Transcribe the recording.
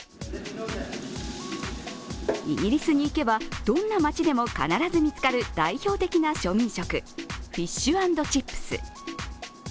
イギリスに行けばどんな街でも必ず見つかる、代表的な庶民食、フィッシュ＆チップス。